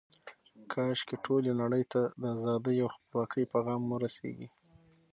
کاشکې ټولې نړۍ ته د ازادۍ او خپلواکۍ پیغام ورسیږي.